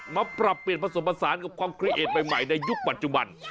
ปรับเปลี่ยนผสมผสานกับความเครือเอทใหม่ในยุคปัจจุบัน